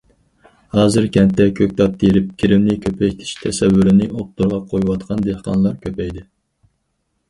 ھازىر كەنتتە كۆكتات تېرىپ، كىرىمىنى كۆپەيتىش تەسەۋۋۇرىنى ئوتتۇرىغا قويۇۋاتقان دېھقانلار كۆپەيدى.